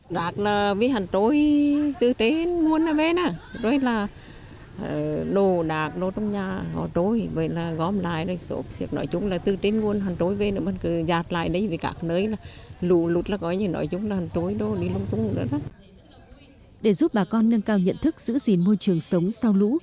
để giúp bà con nâng cao nhận thức giữ gìn môi trường sống sau lũ